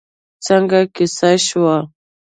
څنګه کېسه شوه؟